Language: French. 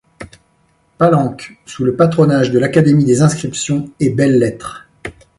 Palanque sous le patronage de l'Académie des Inscriptions et Belles-Lettres.